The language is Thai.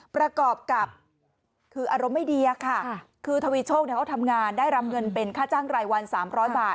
ประกอบกับคืออารมณ์ไม่ดีอะค่ะคือทวีชกเนี่ยเขาทำงานได้รำเงินเป็นค่าจ้างรายวันสามร้อยบาท